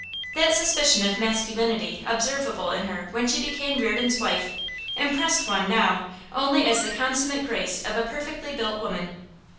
That suspicion of masculinity observable in her when she became Reardon's wife impressed one now only as the consummate grace of a perfectly built woman.